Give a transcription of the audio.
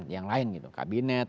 yang lain gitu kabinet